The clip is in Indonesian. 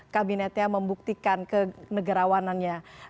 kabinetnya membuktikan kenegarawanannya